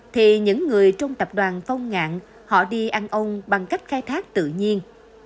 thì những người trong tập đoàn phong ngạn họ đi ăn ông bằng cách khai thác tự nhiên